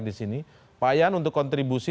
di sini pak yan untuk kontribusi